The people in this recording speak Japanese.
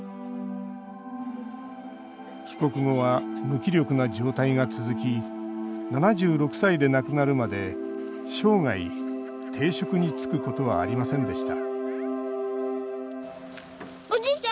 帰国後は無気力な状態が続き７６歳で亡くなるまで生涯、定職に就くことはありませんでした